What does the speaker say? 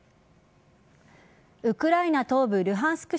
ウクライナ東部ルハンスク